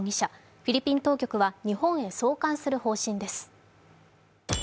フィリピン当局は日本へ送還する方針です。